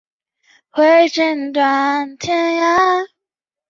绿艾纳香为菊科艾纳香属的植物。